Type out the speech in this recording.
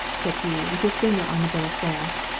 he said, keeping his finger on the bill of fare.